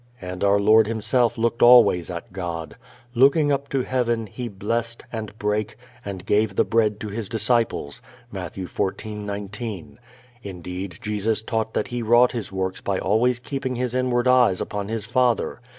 And our Lord Himself looked always at God. "Looking up to heaven, he blessed, and brake, and gave the bread to his disciples" (Matt. 14:19). Indeed Jesus taught that He wrought His works by always keeping His inward eyes upon His Father.